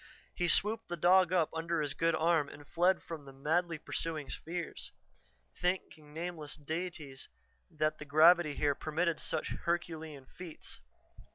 He swooped the dog up under his good arm and fled from the madly pursuing spheres, thanking nameless deities that the gravity here permitted such herculean feats.